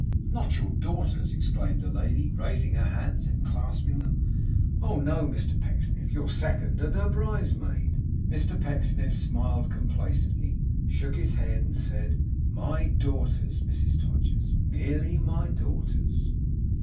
'Not your daughters!' exclaimed the lady, raising her hands and clasping them. 'Oh, no, Mr Pecksniff! Your second, and her bridesmaid!' Mr Pecksniff smiled complacently; shook his head; and said, 'My daughters, Mrs Todgers. Merely my daughters.